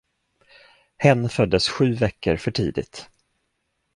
Hen föddes sju veckor för tidigt.